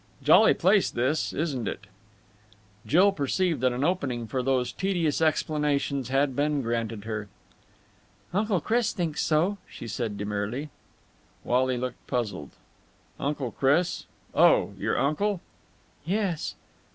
"Jolly place, this, isn't it?" Jill perceived that an opening for those tedious explanations had been granted her. "Uncle Chris thinks so," she said demurely. Wally looked puzzled. "Uncle Chris? Oh, your uncle?" "Yes."